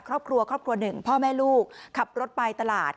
ครอบครัวครอบครัวหนึ่งพ่อแม่ลูกขับรถไปตลาด